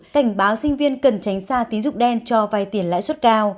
cảnh báo sinh viên cần tránh xa tín dụng đen cho vai tiền lãi suất cao